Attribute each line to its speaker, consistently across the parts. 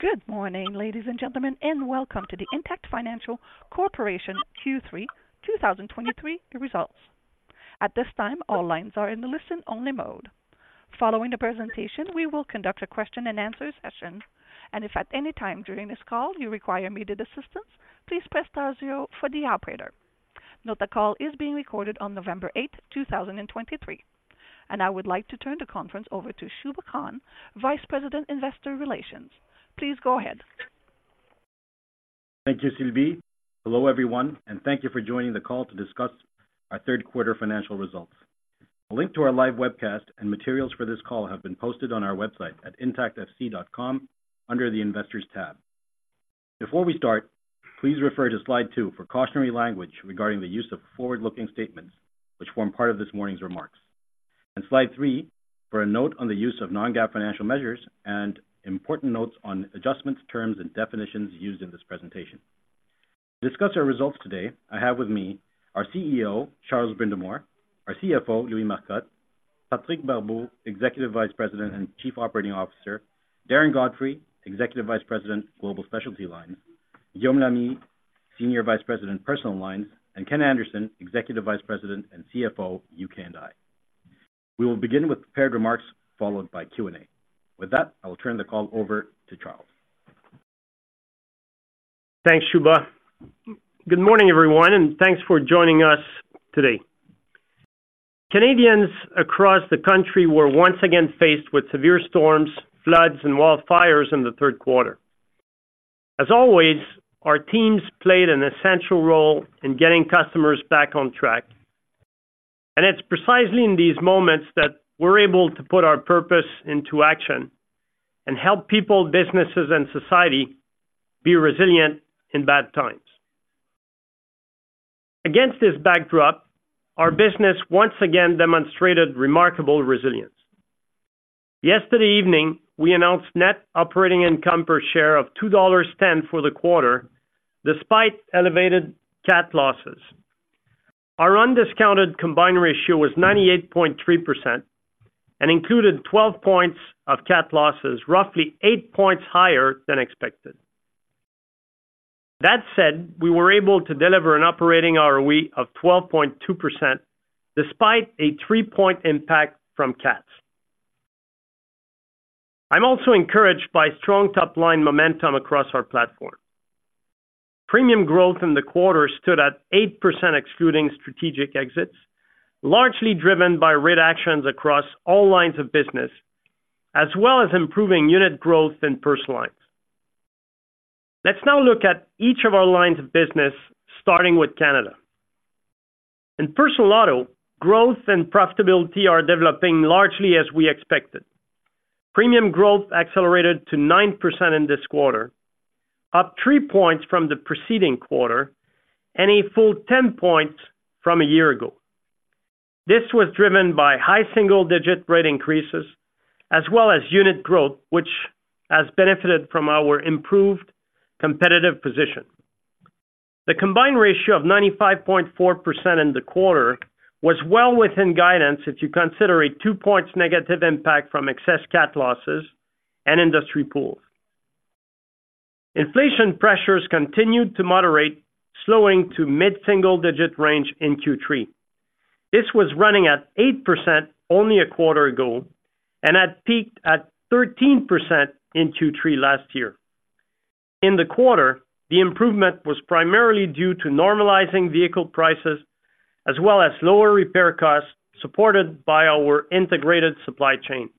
Speaker 1: Good morning, ladies and gentlemen, and welcome to the Intact Financial Corporation Q3 2023 Results. At this time, all lines are in the listen-only mode. Following the presentation, we will conduct a question and answer session. If at any time during this call you require immediate assistance, please press star zero for the operator. Note, the call is being recorded on November 8, 2023. I would like to turn the conference over to Shubha Khan, Vice President, Investor Relations. Please go ahead.
Speaker 2: Thank you, Sylvie. Hello, everyone, and thank you for joining the call to discuss our third quarter financial results. A link to our live webcast and materials for this call have been posted on our website at intactfc.com under the Investors tab. Before we start, please refer to slide two for cautionary language regarding the use of forward-looking statements, which form part of this morning's remarks, and slide three for a note on the use of non-GAAP financial measures and important notes on adjustments, terms, and definitions used in this presentation. To discuss our results today, I have with me our CEO, Charles Brindamour, our CFO, Louis Marcotte, Patrick Barbeau, Executive Vice President and Chief Operating Officer, Darren Godfrey, Executive Vice President, Global Specialty Lines, Guillaume Lamy, Senior Vice President, Personal Lines, and Ken Anderson, Executive Vice President and CFO, UK and Ireland. We will begin with prepared remarks, followed by Q&A. With that, I will turn the call over to Charles.
Speaker 3: Thanks, Shubha. Good morning, everyone, and thanks for joining us today. Canadians across the country were once again faced with severe storms, floods, and wildfires in the third quarter. As always, our teams played an essential role in getting customers back on track, and it's precisely in these moments that we're able to put our purpose into action and help people, businesses, and society be resilient in bad times. Against this backdrop, our business once again demonstrated remarkable resilience. Yesterday evening, we announced net operating income per share of 2.10 dollars for the quarter, despite elevated cat losses. Our undiscounted combined ratio was 98.3% and included 12 points of cat losses, roughly 8 points higher than expected. That said, we were able to deliver an operating ROE of 12.2%, despite a 3-point impact from cats. I'm also encouraged by strong top-line momentum across our platform. Premium growth in the quarter stood at 8%, excluding strategic exits, largely driven by rate actions across all lines of business, as well as improving unit growth in personal lines. Let's now look at each of our lines of business, starting with Canada. In personal auto, growth and profitability are developing largely as we expected. Premium growth accelerated to 9% in this quarter, up 3 points from the preceding quarter and a full 10 points from a year ago. This was driven by high single-digit rate increases, as well as unit growth, which has benefited from our improved competitive position. The combined ratio of 95.4% in the quarter was well within guidance, if you consider a 2 points negative impact from excess cat losses and industry pools. Inflation pressures continued to moderate, slowing to mid-single-digit range in Q3. This was running at 8% only a quarter ago and had peaked at 13% in Q3 last year. In the quarter, the improvement was primarily due to normalizing vehicle prices, as well as lower repair costs, supported by our integrated supply chain.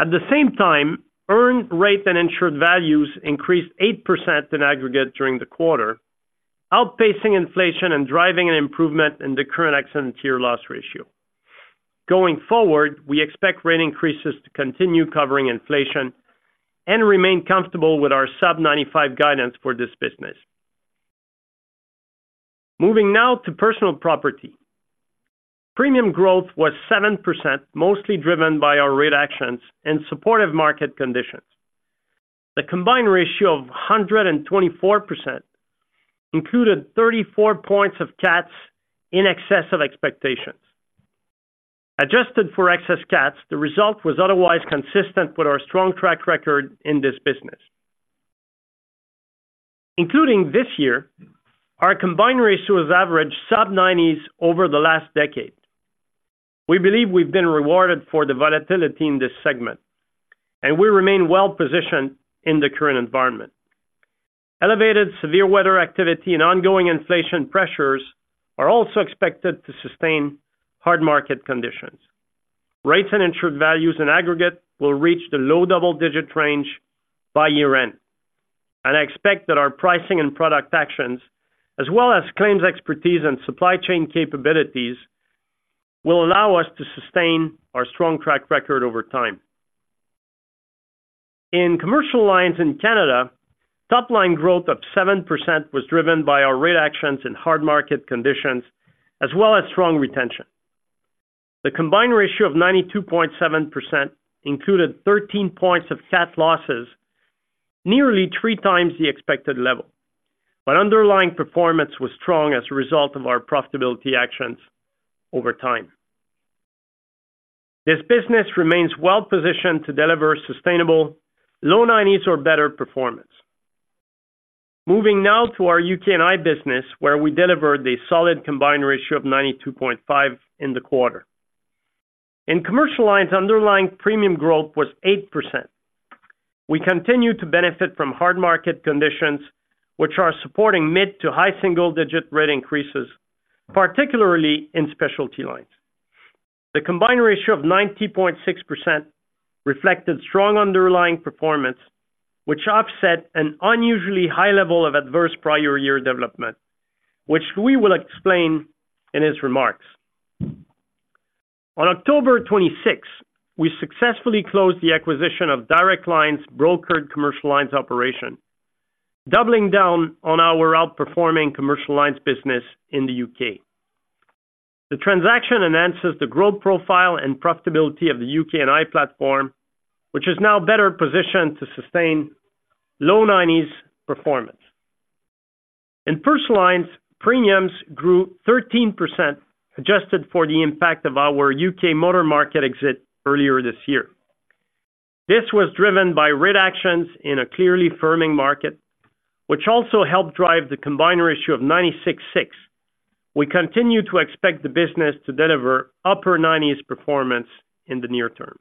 Speaker 3: At the same time, earned rate and insured values increased 8% in aggregate during the quarter, outpacing inflation and driving an improvement in the current accident year loss ratio. Going forward, we expect rate increases to continue covering inflation and remain comfortable with our sub-95 guidance for this business. Moving now to personal property. Premium growth was 7%, mostly driven by our rate actions and supportive market conditions. The combined ratio of 124% included 34 points of CATs in excess of expectations. Adjusted for excess cats, the result was otherwise consistent with our strong track record in this business. Including this year, our combined ratio has averaged sub 90s over the last decade. We believe we've been rewarded for the volatility in this segment, and we remain well positioned in the current environment. Elevated severe weather activity and ongoing inflation pressures are also expected to sustain hard market conditions. Rates and insured values in aggregate will reach the low double-digit range by year-end, and I expect that our pricing and product actions, as well as claims expertise and supply chain capabilities, will allow us to sustain our strong track record over time. In commercial lines in Canada, top-line growth of 7% was driven by our rate actions in hard market conditions, as well as strong retention. The combined ratio of 92.7% included 13 points of cat losses-... nearly 3x the expected level, but underlying performance was strong as a result of our profitability actions over time. This business remains well positioned to deliver sustainable low 90s or better performance. Moving now to our UK&I business, where we delivered a solid combined ratio of 92.5 in the quarter. In commercial lines, underlying premium growth was 8%. We continue to benefit from hard market conditions, which are supporting mid- to high single-digit rate increases, particularly in specialty lines. The combined ratio of 90.6% reflected strong underlying performance, which offset an unusually high level of adverse prior year development, which we will explain in his remarks. On October 26th, we successfully closed the acquisition of Direct Line's brokered commercial lines operation, doubling down on our outperforming commercial lines business in the U.K. The transaction enhances the growth profile and profitability of the UK&I platform, which is now better positioned to sustain low 90s performance. In personal lines, premiums grew 13%, adjusted for the impact of our UK motor market exit earlier this year. This was driven by rate actions in a clearly firming market, which also helped drive the combined ratio of 96.6. We continue to expect the business to deliver upper 90s performance in the near term.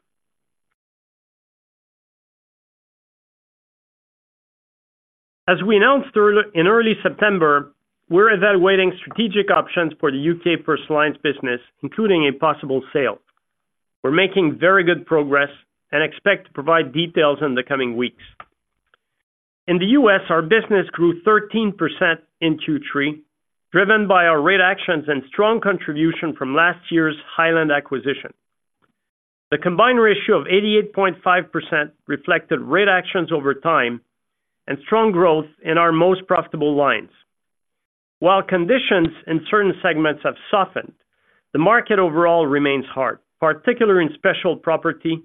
Speaker 3: As we announced earlier in early September, we're evaluating strategic options for the UK personal lines business, including a possible sale. We're making very good progress and expect to provide details in the coming weeks. In the US, our business grew 13% in Q3, driven by our rate actions and strong contribution from last year's Highland acquisition. The combined ratio of 88.5% reflected rate actions over time and strong growth in our most profitable lines. While conditions in certain segments have softened, the market overall remains hard, particularly in Specialty Property,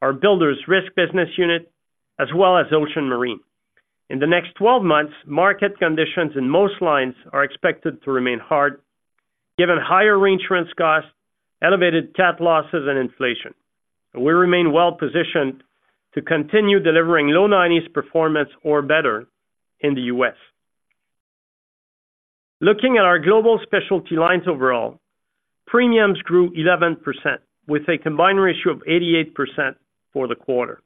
Speaker 3: our builders risk business unit, as well as ocean marine. In the next 12 months, market conditions in most lines are expected to remain hard, given higher reinsurance costs, elevated cat losses and inflation. We remain well positioned to continue delivering low 90s performance or better in the U.S. Looking at our global specialty lines overall, premiums grew 11%, with a combined ratio of 88% for the quarter.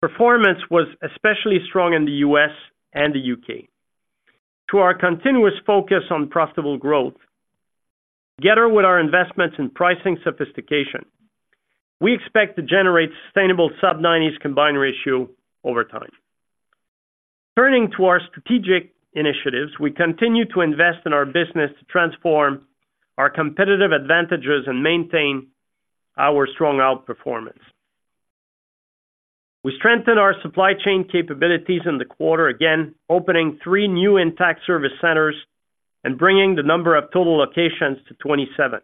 Speaker 3: Performance was especially strong in the U.S. and the U.K. To our continuous focus on profitable growth, together with our investments in pricing sophistication, we expect to generate sustainable sub-90s combined ratio over time. Turning to our strategic initiatives, we continue to invest in our business to transform our competitive advantages and maintain our strong outperformance. We strengthened our supply chain capabilities in the quarter, again, opening three new Intact Service Centres and bringing the number of total locations to 27.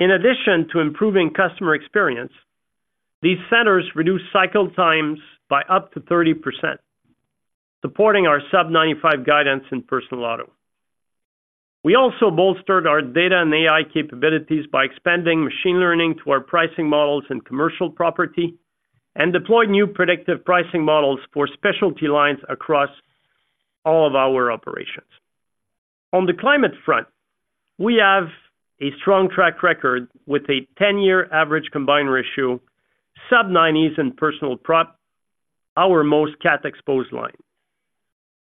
Speaker 3: In addition to improving customer experience, these centers reduce cycle times by up to 30%, supporting our sub-95 guidance in personal auto. We also bolstered our data and AI capabilities by expanding machine learning to our pricing models and commercial property, and deployed new predictive pricing models for specialty lines across all of our operations. On the climate front, we have a strong track record with a 10-year average combined ratio, sub-90s and personal prop, our most cat-exposed line.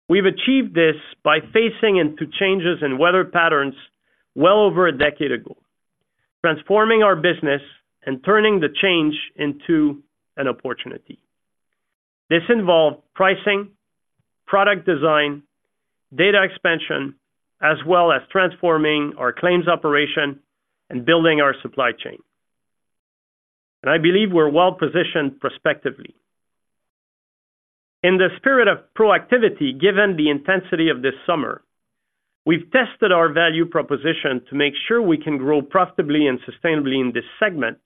Speaker 3: We've achieved this by facing into changes in weather patterns well over a decade ago, transforming our business and turning the change into an opportunity. This involved pricing, product design, data expansion, as well as transforming our claims operation and building our supply chain. And I believe we're well positioned prospectively. In the spirit of proactivity, given the intensity of this summer, we've tested our value proposition to make sure we can grow profitably and sustainably in this segment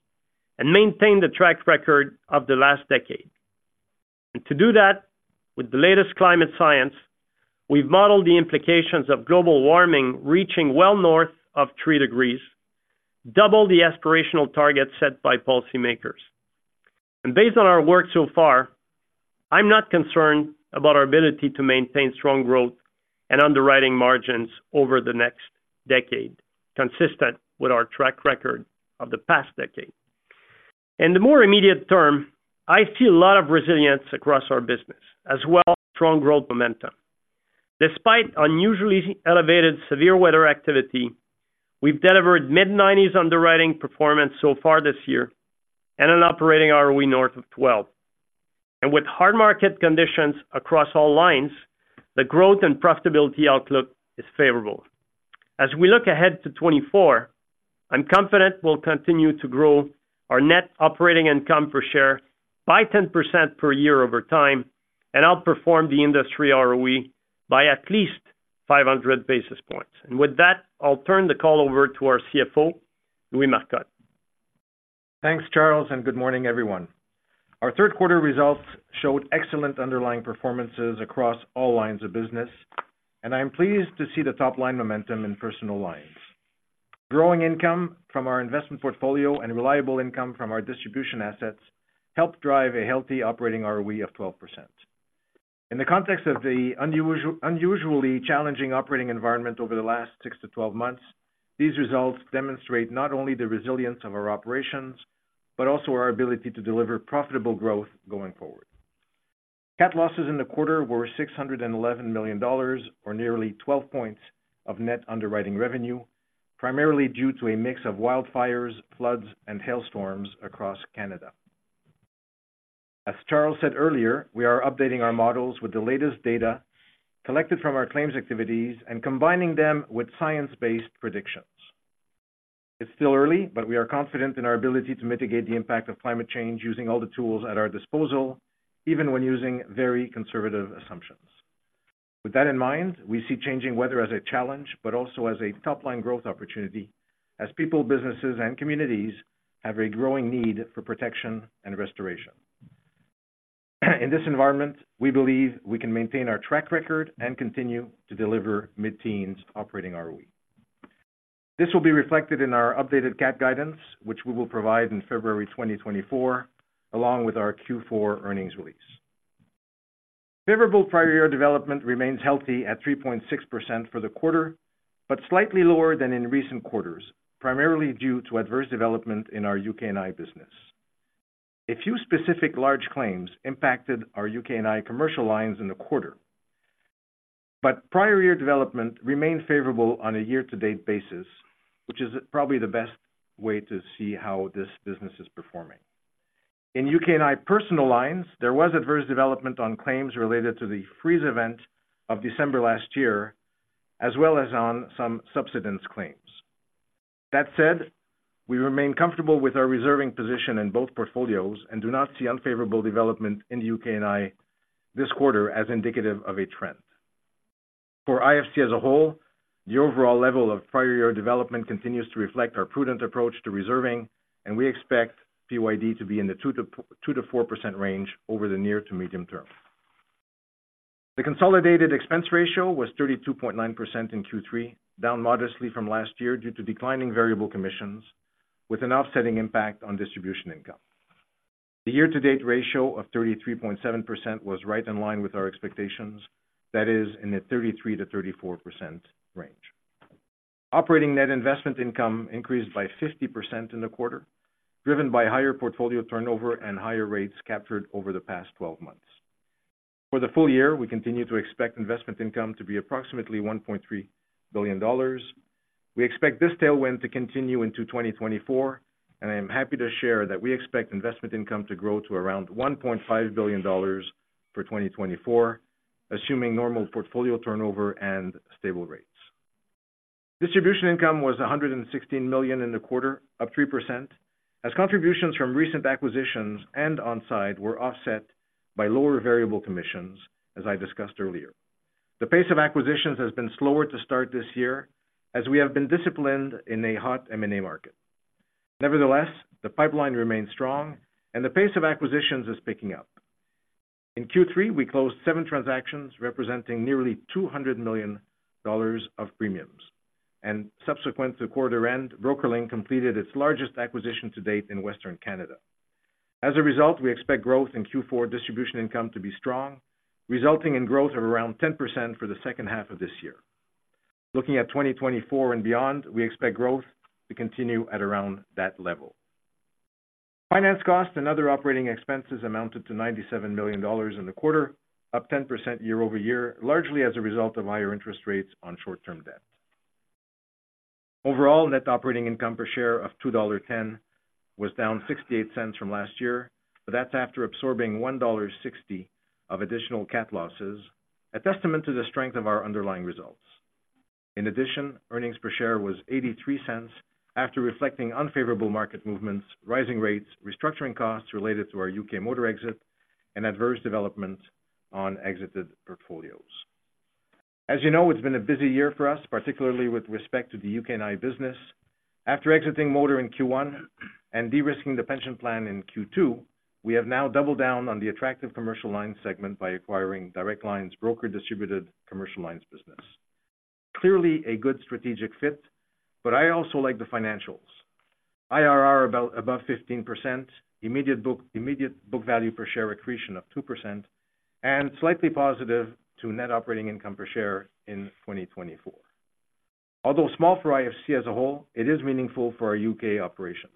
Speaker 3: and maintain the track record of the last decade. And to do that, with the latest climate science, we've modeled the implications of global warming reaching well north of three degrees, double the aspirational target set by policymakers. And based on our work so far, I'm not concerned about our ability to maintain strong growth and underwriting margins over the next decade, consistent with our track record of the past decade. In the more immediate term, I see a lot of resilience across our business, as well as strong growth momentum. Despite unusually elevated severe weather activity, we've delivered mid-90s underwriting performance so far this year and an operating ROE north of 12. And with hard market conditions across all lines, the growth and profitability outlook is favorable. As we look ahead to 2024, I'm confident we'll continue to grow our net operating income per share by 10% per year over time and outperform the industry ROE by at least 500 basis points. And with that, I'll turn the call over to our CFO, Louis Marcotte....
Speaker 4: Thanks, Charles, and good morning, everyone. Our third quarter results showed excellent underlying performances across all lines of business, and I am pleased to see the top-line momentum in personal lines. Growing income from our investment portfolio and reliable income from our distribution assets helped drive a healthy operating ROE of 12%. In the context of the unusually challenging operating environment over the last 6-12 months, these results demonstrate not only the resilience of our operations, but also our ability to deliver profitable growth going forward. Cat losses in the quarter were 611 million dollars, or nearly 12 points of net underwriting revenue, primarily due to a mix of wildfires, floods, and hailstorms across Canada. As Charles said earlier, we are updating our models with the latest data collected from our claims activities and combining them with science-based predictions. It's still early, but we are confident in our ability to mitigate the impact of climate change using all the tools at our disposal, even when using very conservative assumptions. With that in mind, we see changing weather as a challenge, but also as a top-line growth opportunity, as people, businesses, and communities have a growing need for protection and restoration. In this environment, we believe we can maintain our track record and continue to deliver mid-teens operating ROE. This will be reflected in our updated CAT guidance, which we will provide in February 2024, along with our Q4 earnings release. Favorable prior year development remains healthy at 3.6% for the quarter, but slightly lower than in recent quarters, primarily due to adverse development in our UK&I business. A few specific large claims impacted our UK&I commercial lines in the quarter, but prior year development remained favorable on a year-to-date basis, which is probably the best way to see how this business is performing. In UK&I personal lines, there was adverse development on claims related to the freeze event of December last year, as well as on some subsidence claims. That said, we remain comfortable with our reserving position in both portfolios and do not see unfavorable development in the UK&I this quarter as indicative of a trend. For IFC as a whole, the overall level of prior year development continues to reflect our prudent approach to reserving, and we expect PYD to be in the 2%-4% range over the near to medium term. The consolidated expense ratio was 32.9% in Q3, down modestly from last year due to declining variable commissions, with an offsetting impact on distribution income. The year-to-date ratio of 33.7% was right in line with our expectations, that is, in the 33%-34% range. Operating net investment income increased by 50% in the quarter, driven by higher portfolio turnover and higher rates captured over the past 12 months. For the full year, we continue to expect investment income to be approximately 1.3 billion dollars. We expect this tailwind to continue into 2024, and I am happy to share that we expect investment income to grow to around 1.5 billion dollars for 2024, assuming normal portfolio turnover and stable rates. Distribution income was 116 million in the quarter, up 3%, as contributions from recent acquisitions and On Side were offset by lower variable commissions, as I discussed earlier. The pace of acquisitions has been slower to start this year, as we have been disciplined in a hot M&A market. Nevertheless, the pipeline remains strong and the pace of acquisitions is picking up. In Q3, we closed seven transactions representing nearly 200 million dollars of premiums, and subsequent to quarter end, BrokerLink completed its largest acquisition to date in Western Canada. As a result, we expect growth in Q4 distribution income to be strong, resulting in growth of around 10% for the second half of this year. Looking at 2024 and beyond, we expect growth to continue at around that level. Finance costs and other operating expenses amounted to 97 million dollars in the quarter, up 10% year-over-year, largely as a result of higher interest rates on short-term debt. Overall, net operating income per share of 2.10 dollar was down 0.68 from last year, but that's after absorbing 1.60 dollar of additional cat losses, a testament to the strength of our underlying results. In addition, earnings per share was 0.83 after reflecting unfavorable market movements, rising rates, restructuring costs related to our UK motor exit, and adverse development on exited portfolios. As you know, it's been a busy year for us, particularly with respect to the UK&I business. After exiting motor in Q1 and de-risking the pension plan in Q2, we have now doubled down on the attractive commercial lines segment by acquiring Direct Line's broker-distributed commercial lines business. Clearly a good strategic fit, but I also like the financials. IRR about above 15%, immediate book, immediate book value per share accretion of 2%, and slightly positive to net operating income per share in 2024. Although small for IFC as a whole, it is meaningful for our UK operations.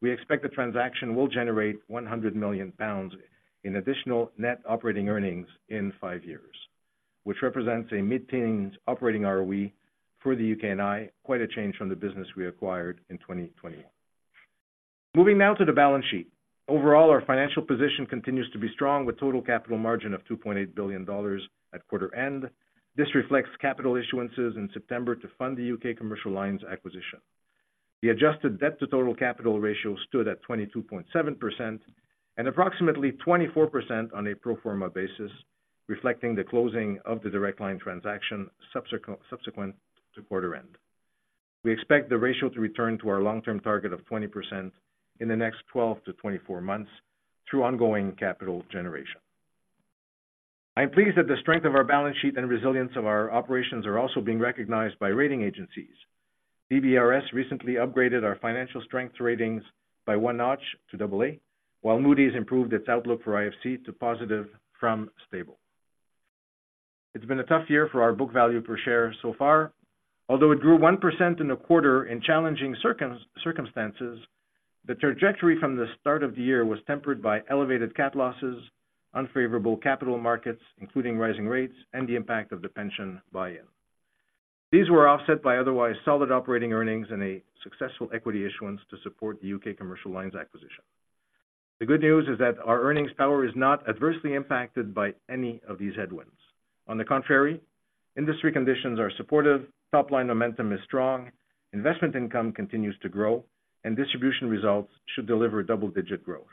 Speaker 4: We expect the transaction will generate 100 million pounds in additional net operating earnings in five years, which represents a mid-teen operating ROE for the UK&I, quite a change from the business we acquired in 2021. Moving now to the balance sheet. Overall, our financial position continues to be strong, with total capital margin of 2.8 billion dollars at quarter end. This reflects capital issuances in September to fund the UK commercial lines acquisition. The adjusted debt to total capital ratio stood at 22.7%. Approximately 24% on a pro forma basis, reflecting the closing of the Direct Line transaction subsequent to quarter end. We expect the ratio to return to our long-term target of 20% in the next 12-24 months through ongoing capital generation. I am pleased that the strength of our balance sheet and resilience of our operations are also being recognized by rating agencies. DBRS recently upgraded our financial strength ratings by 1 notch to double A, while Moody's improved its outlook for IFC to positive from stable. It's been a tough year for our book value per share so far. Although it grew 1% in the quarter in challenging circumstances, the trajectory from the start of the year was tempered by elevated CAT losses, unfavorable capital markets, including rising rates, and the impact of the pension buy-in. These were offset by otherwise solid operating earnings and a successful equity issuance to support the UK commercial lines acquisition. The good news is that our earnings power is not adversely impacted by any of these headwinds. On the contrary, industry conditions are supportive, top-line momentum is strong, investment income continues to grow, and distribution results should deliver double-digit growth.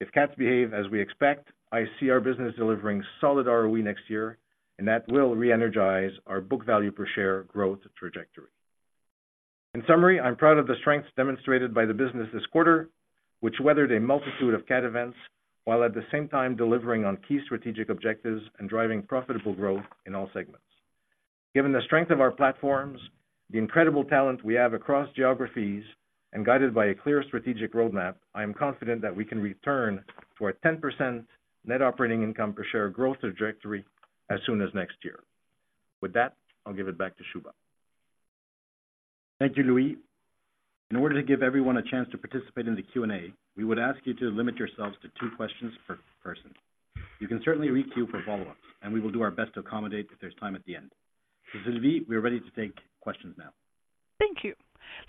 Speaker 4: If cats behave as we expect, I see our business delivering solid ROE next year, and that will reenergize our book value per share growth trajectory. In summary, I'm proud of the strength demonstrated by the business this quarter, which weathered a multitude of cat events, while at the same time delivering on key strategic objectives and driving profitable growth in all segments. Given the strength of our platforms, the incredible talent we have across geographies, and guided by a clear strategic roadmap, I am confident that we can return to a 10% net operating income per share growth trajectory as soon as next year. With that, I'll give it back to Shubha.
Speaker 2: Thank you, Louis. In order to give everyone a chance to participate in the Q&A, we would ask you to limit yourselves to two questions per person. You can certainly requeue for follow-ups, and we will do our best to accommodate if there's time at the end. So Sylvie, we are ready to take questions now.
Speaker 1: Thank you.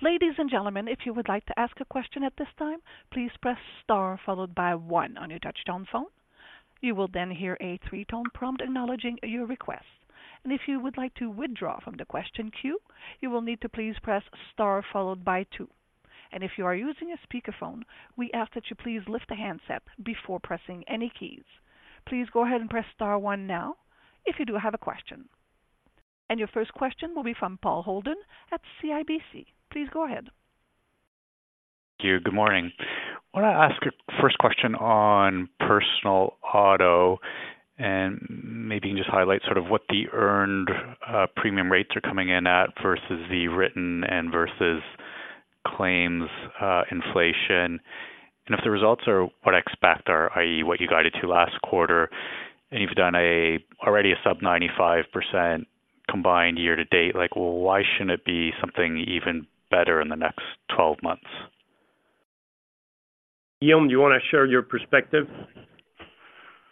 Speaker 1: Ladies and gentlemen, if you would like to ask a question at this time, please press star, followed by one on your touchtone phone. You will then hear a three-tone prompt acknowledging your request. If you would like to withdraw from the question queue, you will need to please press star, followed by two. If you are using a speakerphone, we ask that you please lift the handset before pressing any keys. Please go ahead and press star one now if you do have a question. Your first question will be from Paul Holden at CIBC. Please go ahead.
Speaker 5: Thank you. Good morning. I want to ask a first question on personal auto, and maybe you can just highlight sort of what the earned premium rates are coming in at versus the written and versus claims inflation, and if the results are what I expect are, i.e., what you guided to last quarter, and you've done already a sub 95% combined year to date, like, why shouldn't it be something even better in the next 12 months?
Speaker 4: Guillaume, do you want to share your perspective?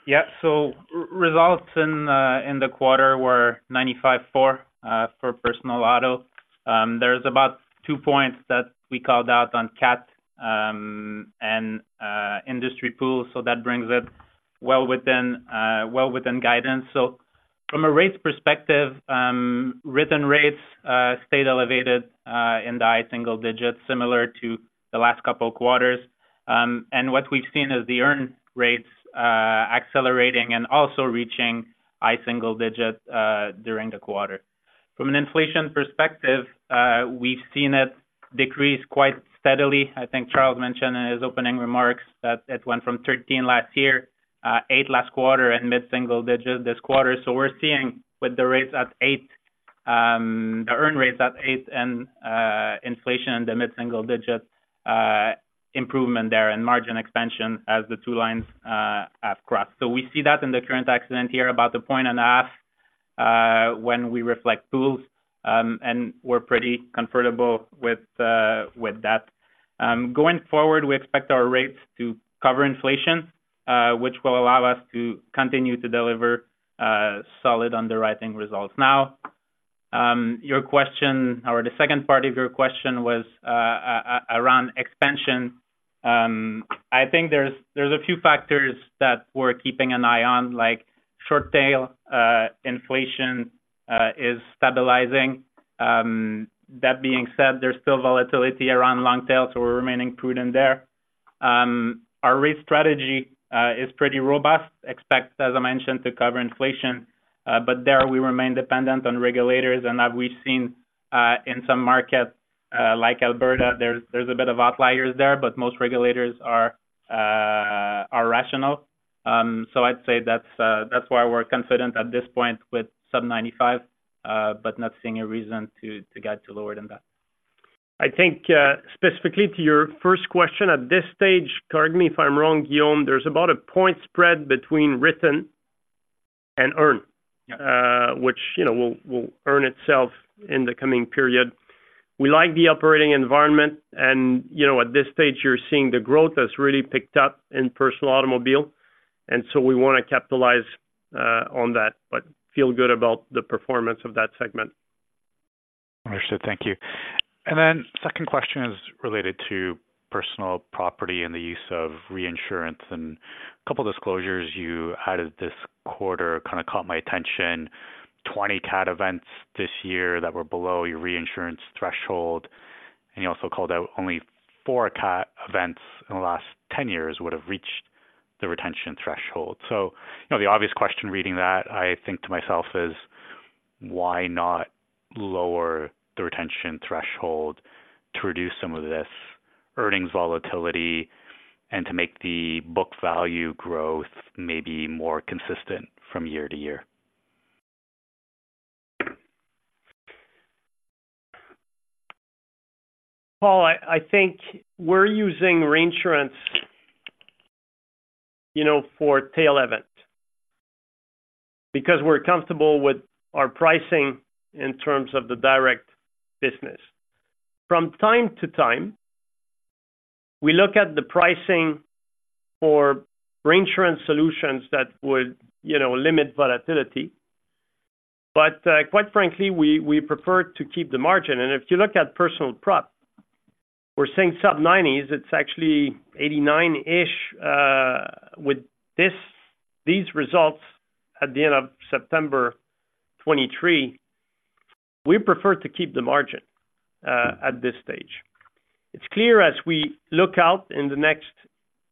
Speaker 6: Yeah. So results in the quarter were 95.4 for personal auto. There's about two points that we called out on cat and industry pool, so that brings it well within guidance. From a rates perspective, written rates stayed elevated in the high single digits, similar to the last couple of quarters. What we've seen is the earn rates accelerating and also reaching high single digits during the quarter. From an inflation perspective, we've seen it decrease quite steadily. I think Charles mentioned in his opening remarks that it went from 13 last year, eight last quarter, and mid-single digits this quarter. So we're seeing with the rates at eight, the earn rates at eight and inflation in the mid-single digits, improvement there and margin expansion as the two lines have crossed. So we see that in the current accident year, about a point and a half, when we reflect pools, and we're pretty comfortable with that. Going forward, we expect our rates to cover inflation, which will allow us to continue to deliver solid underwriting results. Now, your question or the second part of your question was around expansion. I think there's a few factors that we're keeping an eye on, like short tail inflation is stabilizing. That being said, there's still volatility around long tail, so we're remaining prudent there. Our rate strategy is pretty robust. Expect, as I mentioned, to cover inflation, but there we remain dependent on regulators and as we've seen, in some markets, like Alberta, there's a bit of outliers there, but most regulators are rational. So I'd say that's why we're confident at this point with sub-95, but not seeing a reason to get to lower than that.
Speaker 4: I think, specifically to your first question, at this stage, correct me if I'm wrong, Guillaume, there's about a point spread between written and earn-
Speaker 6: Yeah.
Speaker 4: which, you know, will earn itself in the coming period. We like the operating environment, and, you know, at this stage, you're seeing the growth that's really picked up in personal automobile, and so we want to capitalize on that, but feel good about the performance of that segment.
Speaker 5: Understood. Thank you. And then second question is related to personal property and the use of reinsurance. And a couple disclosures you added this quarter kind of caught my attention... 20 CAT events this year that were below your reinsurance threshold, and you also called out only four CAT events in the last 10 years would have reached the retention threshold. So, you know, the obvious question reading that, I think to myself, is why not lower the retention threshold to reduce some of this earnings volatility and to make the book value growth maybe more consistent from year to year?
Speaker 3: Paul, I think we're using reinsurance, you know, for tail event. Because we're comfortable with our pricing in terms of the direct business. From time to time, we look at the pricing for reinsurance solutions that would, you know, limit volatility. But quite frankly, we prefer to keep the margin. And if you look at personal prop, we're seeing sub-90s. It's actually 89-ish with these results at the end of September 2023. We prefer to keep the margin at this stage. It's clear as we look out in the next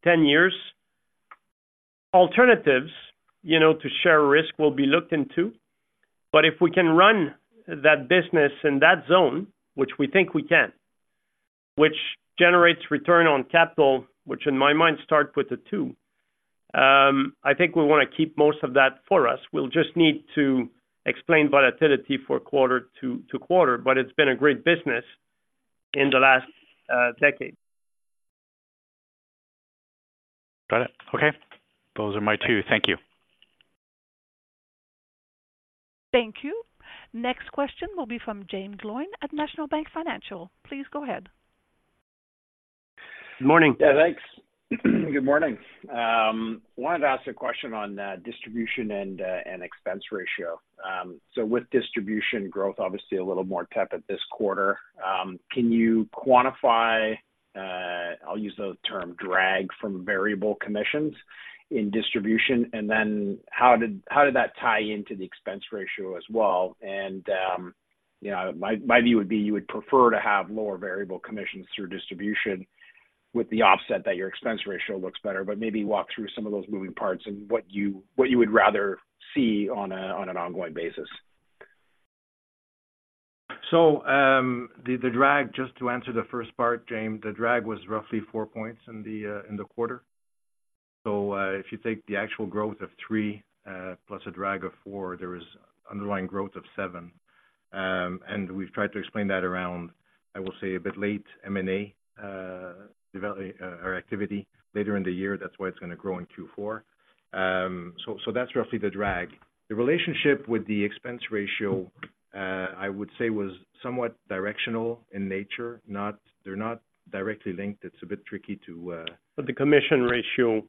Speaker 3: 10 years, alternatives, you know, to share risk will be looked into. But if we can run that business in that zone, which we think we can, which generates return on capital, which in my mind starts with a two, I think we want to keep most of that for us. We'll just need to explain volatility for quarter to quarter, but it's been a great business in the last decade.
Speaker 5: Got it. Okay, those are my two. Thank you.
Speaker 1: Thank you. Next question will be from Jaeme Gloyn at National Bank Financial. Please go ahead.
Speaker 3: Good morning.
Speaker 7: Yeah, thanks. Good morning. Wanted to ask a question on distribution and expense ratio. So with distribution growth, obviously a little more tepid this quarter, can you quantify, I'll use the term drag from variable commissions in distribution, and then how did that tie into the expense ratio as well? And you know, my view would be you would prefer to have lower variable commissions through distribution with the offset that your expense ratio looks better. But maybe walk through some of those moving parts and what you would rather see on an ongoing basis.
Speaker 4: So, the drag, just to answer the first part, Jaeme, the drag was roughly 4 points in the quarter. So, if you take the actual growth of three, plus a drag of four, there is underlying growth of seven. And we've tried to explain that around, I will say, a bit late M&A, development or activity later in the year. That's why it's gonna grow in Q4. So, that's roughly the drag. The relationship with the expense ratio, I would say was somewhat directional in nature, not-- they're not directly linked. It's a bit tricky to,
Speaker 3: The commission ratio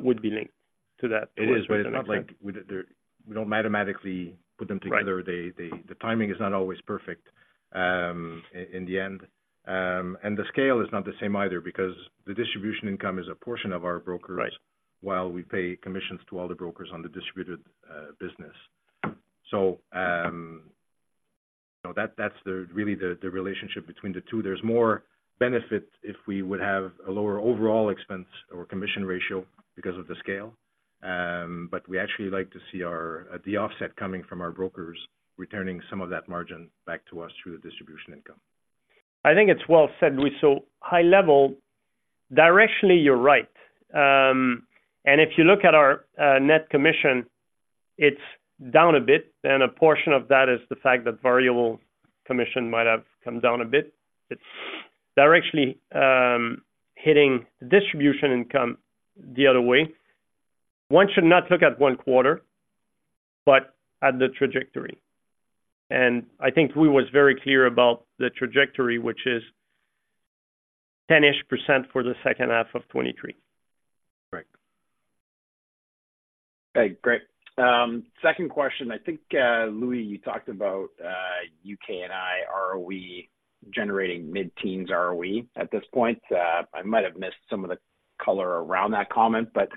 Speaker 3: would be linked to that.
Speaker 4: It is, but it's not like we don't mathematically put them together.
Speaker 3: Right.
Speaker 4: The timing is not always perfect, in the end. And the scale is not the same either, because the distribution income is a portion of our brokers-
Speaker 3: Right.
Speaker 4: While we pay commissions to all the brokers on the distributed business. So, you know, that, that's really the relationship between the two. There's more benefit if we would have a lower overall expense or commission ratio because of the scale. But we actually like to see our the offset coming from our brokers, returning some of that margin back to us through the distribution income.
Speaker 3: I think it's well said, Louis. So high level, directionally, you're right. And if you look at our, net commission, it's down a bit, and a portion of that is the fact that variable commission might have come down a bit. It's directionally, hitting the distribution income the other way. One should not look at one quarter, but at the trajectory. And I think Louis was very clear about the trajectory, which is 10%-ish for the second half of 2023.
Speaker 4: Right.
Speaker 7: Okay, great. Second question. I think, Louis, you talked about UK&I ROE generating mid-teens ROE at this point. I might have missed some of the color around that comment, but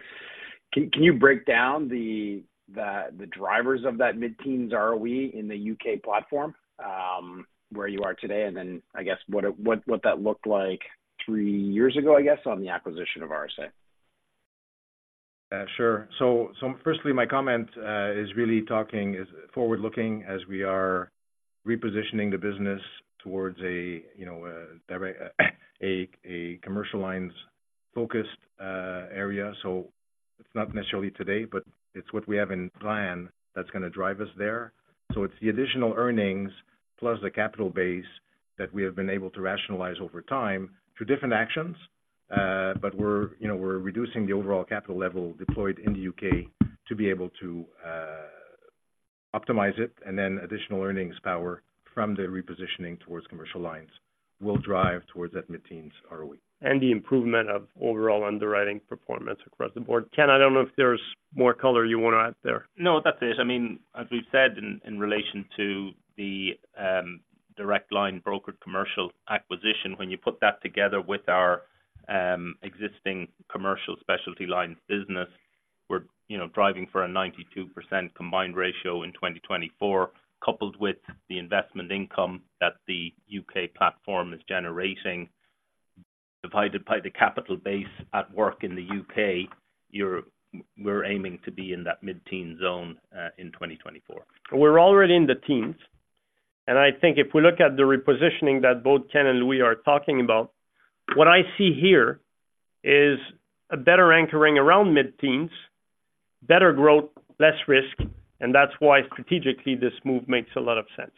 Speaker 7: can you break down the drivers of that mid-teens ROE in the UK platform, where you are today, and then I guess what it... what that looked like three years ago, I guess, on the acquisition of RSA?
Speaker 4: Sure. So firstly, my comment is really talking is forward-looking as we are repositioning the business towards a, you know, a direct, a commercial lines focused area. So it's not necessarily today, but it's what we have in plan that's gonna drive us there. So it's the additional earnings plus the capital base that we have been able to rationalize over time through different actions. But we're, you know, we're reducing the overall capital level deployed in the UK to be able to optimize it, and then additional earnings power from the repositioning towards commercial lines will drive towards that mid-teens ROE.
Speaker 3: The improvement of overall underwriting performance across the board. Ken, I don't know if there's more color you want to add there.
Speaker 8: No, that's it. I mean, as we've said in relation to the Direct Line brokered commercial acquisition, when you put that together with our existing commercial specialty lines business, we're, you know, driving for a 92% combined ratio in 2024, coupled with the investment income that the U.K. platform is generating, divided by the capital base at work in the U.K. We're aiming to be in that mid-teen zone in 2024.
Speaker 3: We're already in the teens, and I think if we look at the repositioning that both Ken and Louis are talking about, what I see here is a better anchoring around mid-teens, better growth, less risk, and that's why, strategically, this move makes a lot of sense.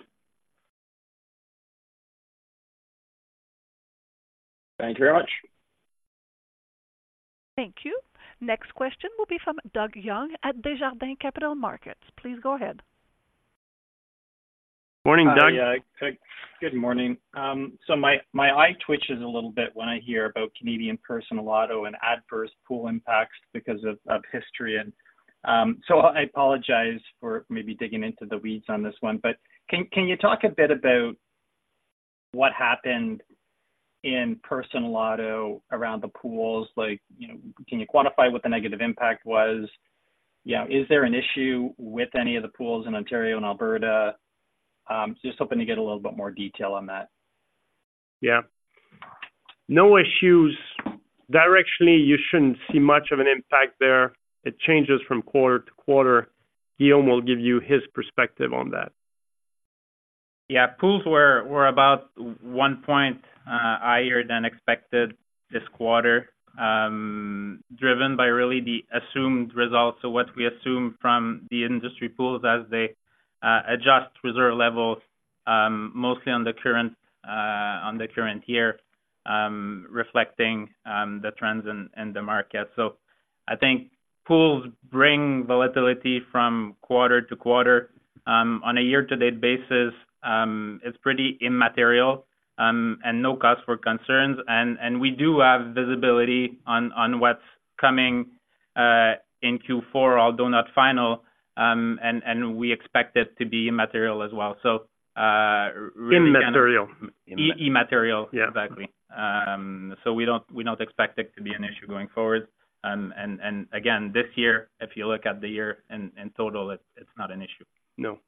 Speaker 7: Thank you very much.
Speaker 1: Thank you. Next question will be from Doug Young at Desjardins Capital Markets. Please go ahead.
Speaker 3: Morning, Doug.
Speaker 9: Hi, yeah. Good morning. So my eye twitches a little bit when I hear about Canadian personal auto and adverse pool impacts because of history and so I apologize for maybe digging into the weeds on this one. But can you talk a bit about what happened in personal auto around the pools? Like, you know, can you quantify what the negative impact was? You know, is there an issue with any of the pools in Ontario and Alberta? Just hoping to get a little bit more detail on that.
Speaker 3: Yeah. No issues. Directionally, you shouldn't see much of an impact there. It changes from quarter to quarter. Guillaume will give you his perspective on that.
Speaker 6: Yeah, pools were about 1 point higher than expected this quarter, driven by really the assumed results. So what we assume from the industry pools as they adjust reserve levels, mostly on the current, on the current year, reflecting the trends in, in the market. So I think pools bring volatility from quarter to quarter. On a year-to-date basis, it's pretty immaterial, and no cause for concerns. And we do have visibility on, on what's coming in Q4, although not final, and we expect it to be immaterial as well. So-
Speaker 3: Immaterial.
Speaker 6: E, immaterial.
Speaker 3: Yeah.
Speaker 6: Exactly. So we don't, we don't expect it to be an issue going forward. And, and again, this year, if you look at the year in total, it's not an issue.
Speaker 3: No.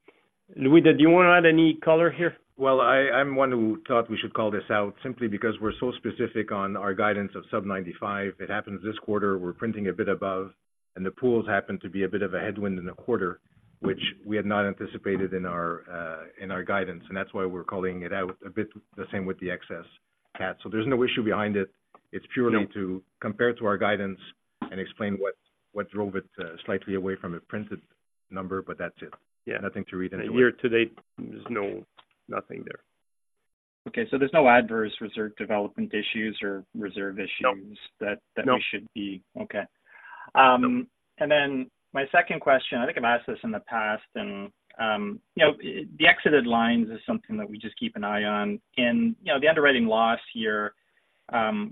Speaker 3: Louis, do you want to add any color here?
Speaker 4: Well, I'm one who thought we should call this out simply because we're so specific on our guidance of sub-95. It happens this quarter, we're printing a bit above, and the pools happen to be a bit of a headwind in the quarter, which we had not anticipated in our guidance, and that's why we're calling it out a bit, the same with the excess cat. So there's no issue behind it.
Speaker 3: No.
Speaker 4: It's purely to compare to our guidance and explain what drove it slightly away from a printed number, but that's it.
Speaker 3: Yeah.
Speaker 4: Nothing to read anywhere.
Speaker 3: Year to date, there's nothing there.
Speaker 9: Okay. So there's no adverse reserve development issues or reserve issues-
Speaker 3: No.
Speaker 9: -that, that we should be... Okay. And then my second question, I think I've asked this in the past and, you know, the exited lines is something that we just keep an eye on. And, you know, the underwriting loss year,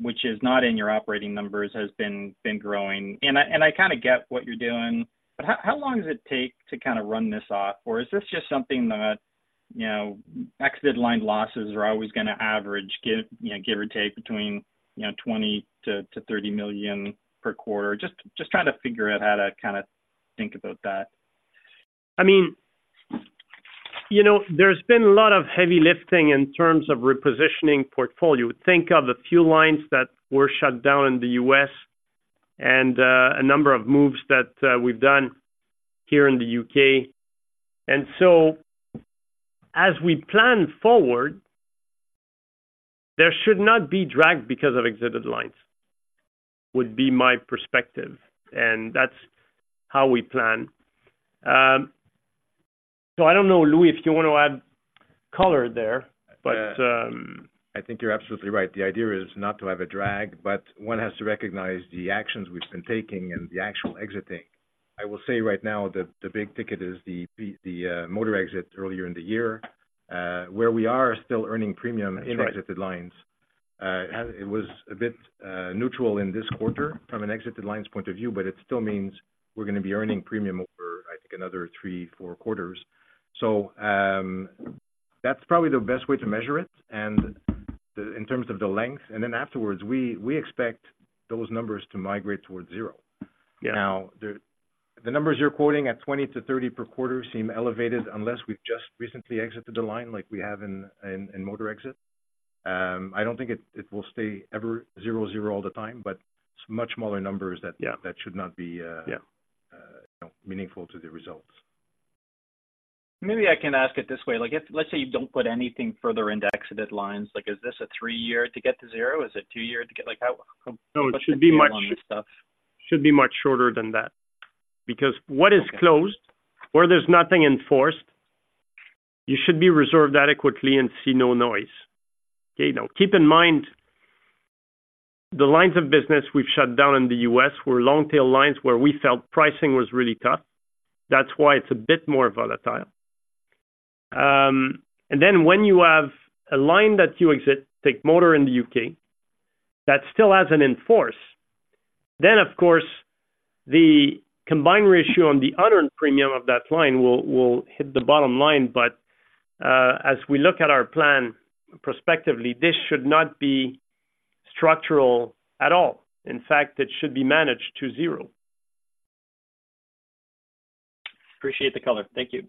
Speaker 9: which is not in your operating numbers, has been growing. And I kinda get what you're doing, but how long does it take to kinda run this off? Or is this just something that, you know, exited line losses are always gonna average, give or take between 20 million-30 million per quarter? Just trying to figure out how to kinda think about that.
Speaker 3: I mean, you know, there's been a lot of heavy lifting in terms of repositioning portfolio. Think of the few lines that were shut down in the U.S. and a number of moves that we've done here in the U.K. And so as we plan forward, there should not be drag because of exited lines, would be my perspective, and that's how we plan. So I don't know, Louis, if you want to add color there, but
Speaker 4: I think you're absolutely right. The idea is not to have a drag, but one has to recognize the actions we've been taking and the actual exiting. I will say right now that the big ticket is the motor exit earlier in the year, where we are still earning premium-
Speaker 3: That's right.
Speaker 4: In exited lines. It was a bit neutral in this quarter from an exited lines point of view, but it still means we're gonna be earning premium over, I think, another three, four quarters. So, that's probably the best way to measure it, and in terms of the length, and then afterwards, we expect those numbers to migrate towards zero.
Speaker 3: Yeah.
Speaker 4: Now, the numbers you're quoting at 20-30 per quarter seem elevated, unless we've just recently exited the line like we have in motor exit. I don't think it will stay ever zero, zero all the time, but it's much smaller numbers that-
Speaker 3: Yeah.
Speaker 4: -that should not be-
Speaker 3: Yeah...
Speaker 4: meaningful to the results.
Speaker 9: Maybe I can ask it this way. Like, if, let's say you don't put anything further into exited lines, like, is this a three-year to get to zero? Is it two years to get, like how-
Speaker 3: No, it should be much-
Speaker 9: On this stuff.
Speaker 3: Should be much shorter than that. Because what is closed, where there's nothing enforced, you should be reserved adequately and see no noise. Okay? Now, keep in mind, the lines of business we've shut down in the U.S. were long-tail lines where we felt pricing was really tough. That's why it's a bit more volatile. And then when you have a line that you exit, take motor in the U.K., that still hasn't in force-... Then of course, the combined ratio on the unearned premium of that line will, will hit the bottom line. But, as we look at our plan prospectively, this should not be structural at all. In fact, it should be managed to zero.
Speaker 9: Appreciate the color. Thank you.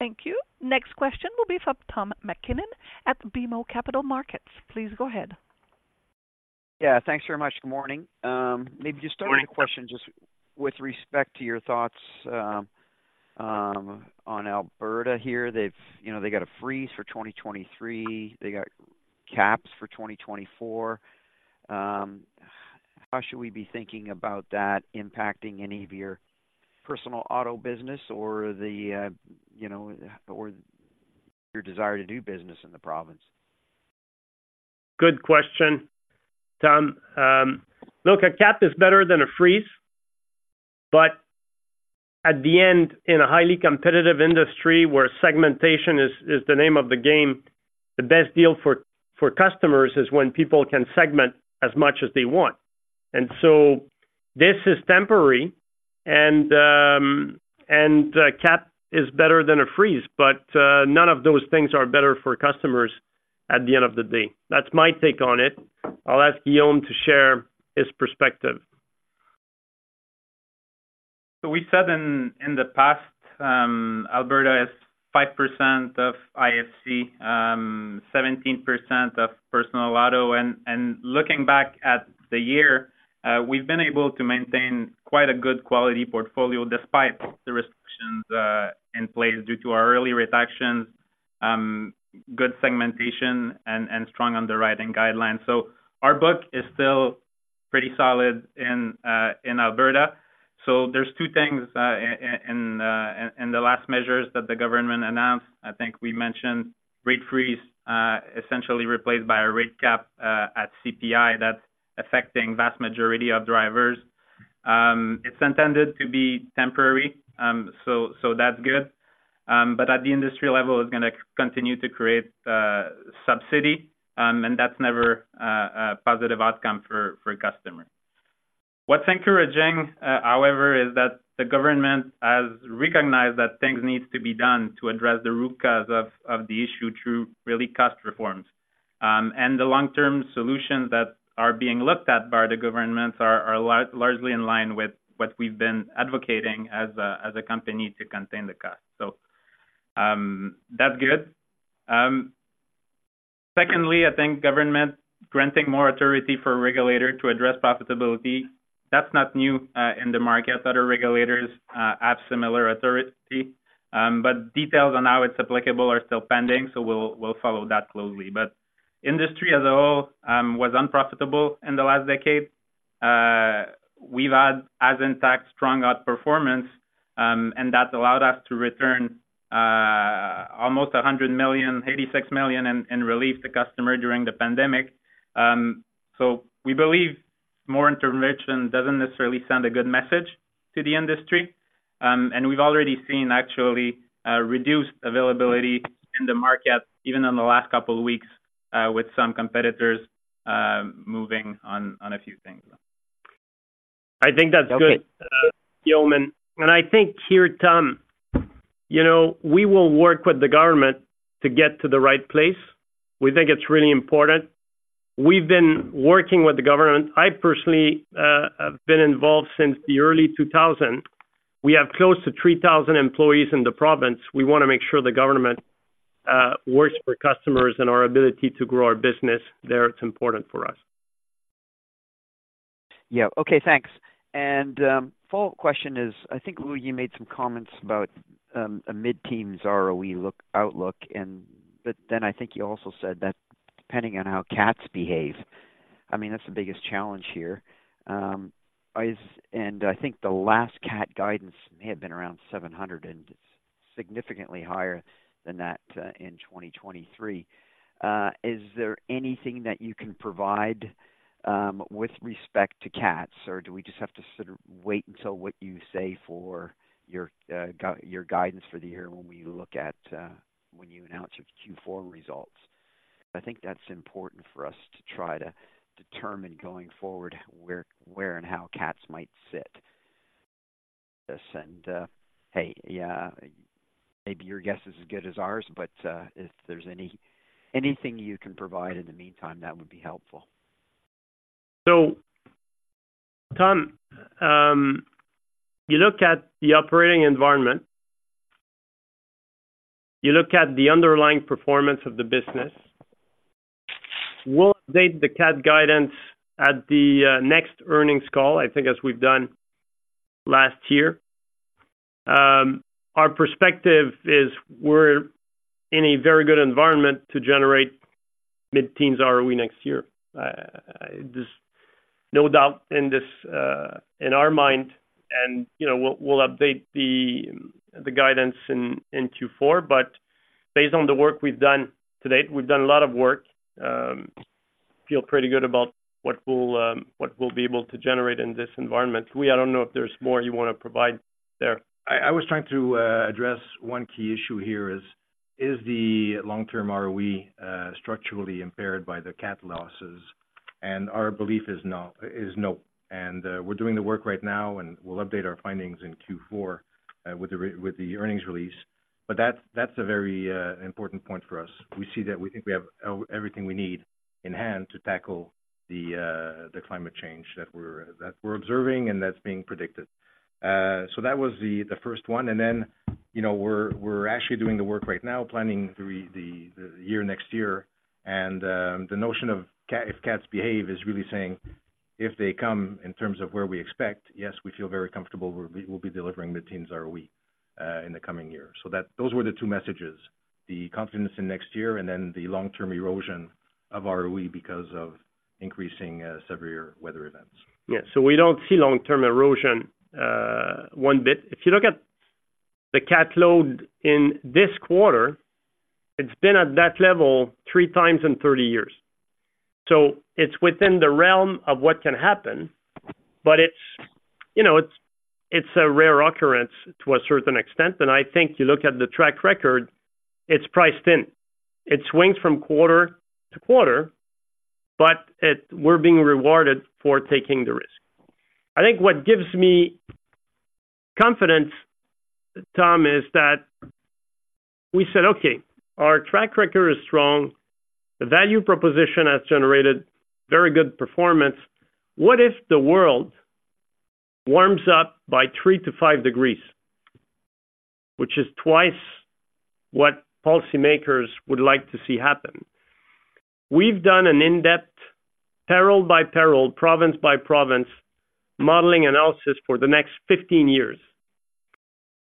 Speaker 1: Thank you. Next question will be from Tom MacKinnon at BMO Capital Markets. Please go ahead.
Speaker 10: Yeah, thanks very much. Good morning. Maybe just starting the question, just with respect to your thoughts on Alberta here, they've, you know, they got a freeze for 2023. They got cats for 2024. How should we be thinking about that impacting any of your personal auto business or the, you know, or your desire to do business in the province?
Speaker 3: Good question, Tom. Look, a cat is better than a freeze, but at the end, in a highly competitive industry where segmentation is the name of the game, the best deal for customers is when people can segment as much as they want. And so this is temporary, and cat is better than a freeze, but none of those things are better for customers at the end of the day. That's my take on it. I'll ask Guillaume to share his perspective.
Speaker 6: So we said in the past, Alberta is 5% of IFC, 17% of personal auto. And looking back at the year, we've been able to maintain quite a good quality portfolio despite the restrictions in place, due to our early rate actions, good segmentation and strong underwriting guidelines. So our book is still pretty solid in Alberta. So there's two things in the last measures that the government announced. I think we mentioned rate freeze essentially replaced by a rate cap at CPI that's affecting vast majority of drivers. It's intended to be temporary, so that's good. But at the industry level, it's gonna continue to create subsidy, and that's never a positive outcome for customers. What's encouraging, however, is that the government has recognized that things needs to be done to address the root cause of the issue through really cost reforms. And the long-term solutions that are being looked at by the governments are largely in line with what we've been advocating as a company to contain the cost. So, that's good. Secondly, I think government granting more authority for regulator to address profitability, that's not new in the market. Other regulators have similar authority, but details on how it's applicable are still pending, so we'll follow that closely. But industry as a whole was unprofitable in the last decade. We've had, as Intact, strong outperformance, and that's allowed us to return almost 100 million, 86 million and relieve the customer during the pandemic. So we believe more intervention doesn't necessarily send a good message to the industry. We've already seen actually reduced availability in the market, even in the last couple of weeks, with some competitors moving on a few things.
Speaker 3: I think that's good, Guillaume. I think here, Tom, you know, we will work with the government to get to the right place. We think it's really important. We've been working with the government. I personally have been involved since the early 2000. We have close to 3,000 employees in the province. We want to make sure the government works for customers and our ability to grow our business there, it's important for us.
Speaker 10: Yeah. Okay, thanks. And, follow-up question is, I think, Louis, you made some comments about a mid-teen ROE outlook and. But then I think you also said that depending on how cats behave, I mean, that's the biggest challenge here. And I think the last cat guidance may have been around 700, and it's significantly higher than that in 2023. Is there anything that you can provide with respect to cats, or do we just have to sort of wait until what you say for your guidance for the year when we look at when you announce your Q4 results? I think that's important for us to try to determine going forward where, where and how cats might sit. Hey, yeah, maybe your guess is as good as ours, but if there's anything you can provide in the meantime, that would be helpful.
Speaker 3: So, Tom, you look at the operating environment, you look at the underlying performance of the business. We'll update the CAT guidance at the next earnings call, I think, as we've done last year. Our perspective is we're in a very good environment to generate mid-teen ROE next year. There's no doubt in this in our mind, and, you know, we'll update the guidance in Q4. But based on the work we've done to date, we've done a lot of work, feel pretty good about what we'll be able to generate in this environment. Louis, I don't know if there's more you want to provide there.
Speaker 4: I was trying to address one key issue here: Is the long-term ROE structurally impaired by the cat losses? And our belief is no, is no. And we're doing the work right now, and we'll update our findings in Q4 with the earnings release. But that's a very important point for us. We see that we think we have everything we need in hand to tackle the climate change that we're observing, and that's being predicted. So that was the first one. And then, you know, we're actually doing the work right now, planning through the year next year. The notion of if cats behave is really saying if they come in terms of where we expect, yes, we feel very comfortable we'll be, we'll be delivering the teens ROE in the coming years. So those were the two messages, the confidence in next year and then the long-term erosion of ROE because of increasing severe weather events.
Speaker 3: Yes, so we don't see long-term erosion one bit. If you look at the CAT load in this quarter, it's been at that level three times in 30 years. So it's within the realm of what can happen, but it's, you know, it's a rare occurrence to a certain extent, and I think you look at the track record, it's priced in. It swings from quarter to quarter, but it. We're being rewarded for taking the risk. I think what gives me confidence, Tom, is that we said, okay, our track record is strong, the value proposition has generated very good performance. What if the world warms up by 3-5 degrees, which is twice what policymakers would like to see happen? We've done an in-depth, peril by peril, province by province, modeling analysis for the next 15 years,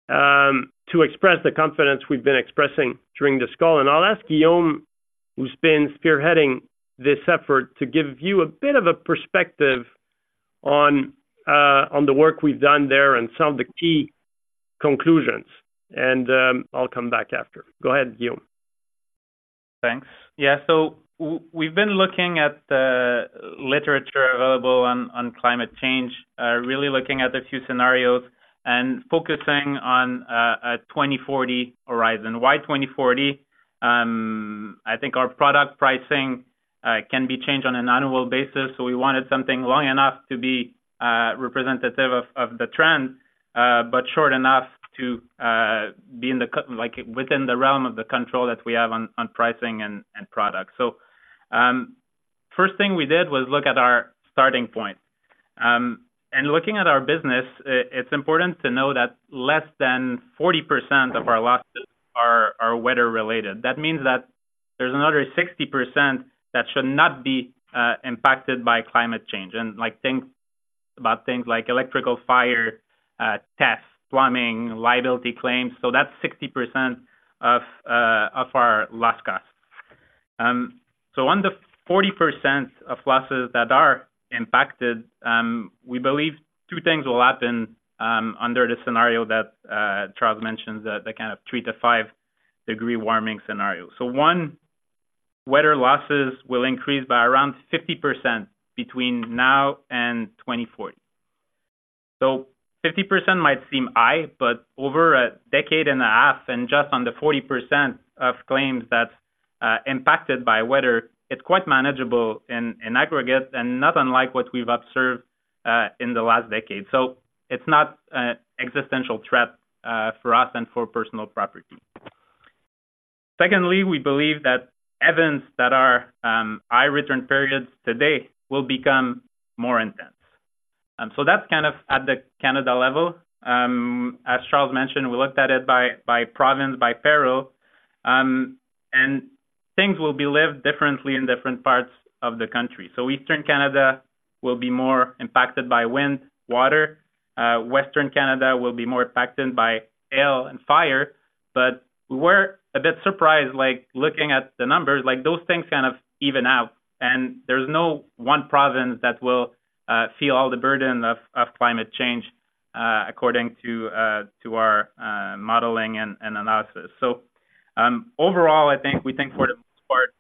Speaker 3: to express the confidence we've been expressing during this call. I'll ask Guillaume, who's been spearheading this effort, to give you a bit of a perspective on, on the work we've done there and some of the key conclusions, and, I'll come back after. Go ahead, Guillaume.
Speaker 6: Thanks. Yeah, so we've been looking at the literature available on climate change, really looking at a few scenarios and focusing on a 2040 horizon. Why 2040? I think our product pricing can be changed on an annual basis, so we wanted something long enough to be representative of the trend, but short enough to be in the like, within the realm of the control that we have on pricing and product. So, first thing we did was look at our starting point. Looking at our business, it's important to know that less than 40% of our losses are weather-related. That means that there's another 60% that should not be impacted by climate change, and like, things about things like electrical fire, tests, plumbing, liability claims. So that's 60% of our loss cost. So on the 40% of losses that are impacted, we believe two things will happen under the scenario that Charles mentioned, the kind of 3-5 degree warming scenario. So one, weather losses will increase by around 50% between now and 2040. So 50% might seem high, but over a decade and a half and just on the 40% of claims that's impacted by weather, it's quite manageable in aggregate, and not unlike what we've observed in the last decade. So it's not an existential threat for us and for personal property. Secondly, we believe that events that are high return periods today will become more intense. So that's kind of at the Canada level. As Charles mentioned, we looked at it by province, by peril, and things will be lived differently in different parts of the country. So Eastern Canada will be more impacted by wind, water, Western Canada will be more impacted by hail and fire. But we were a bit surprised, like, looking at the numbers, like, those things kind of even out, and there's no one province that will feel all the burden of climate change, according to our modeling and analysis. So, overall, I think we think for the most part,